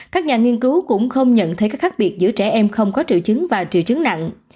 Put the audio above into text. các nhà nghiên cứu cũng không nhận thấy các khác biệt giữa trẻ em không có triệu chứng và triệu chứng nặng